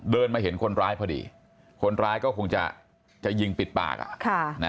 เดินมาเห็นคนร้ายพอดีคนร้ายก็คงจะยิงปิดปาก